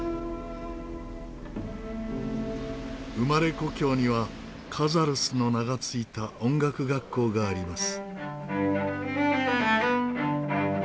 生まれ故郷にはカザルスの名が付いた音楽学校があります。